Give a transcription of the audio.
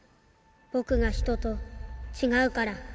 僕が人と違うから